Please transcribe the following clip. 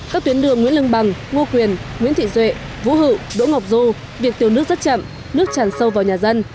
các tuyến đường nguyễn lương bằng ngo quyền nguyễn thị duệ vũ hữu đỗ ngọc du việc tiêu nước rất chậm nước chàn sâu vào nhà dân